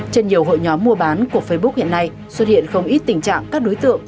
trên nhiều hội nhóm mua bán của facebook hiện nay xuất hiện không ít tình trạng các đối tượng